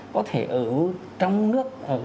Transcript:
có thể ở trong nước ở